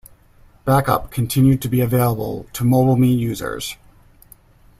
Backup continued to be available to MobileMe users.